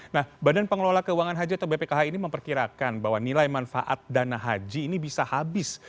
nah badan pengelola keuangan haji atau bpkh ini memperkirakan bahwa nilai manfaat dana haji ini bisa habis